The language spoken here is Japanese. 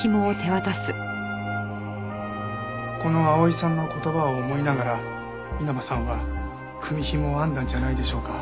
この碧さんの言葉を思いながら稲葉さんは組紐を編んだんじゃないでしょうか。